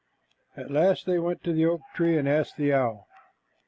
At last they went to the oak tree and asked the owl.